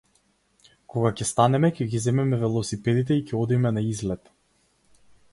Кога ќе станеме ќе ги земеме велосипедите и ќе одиме на излет.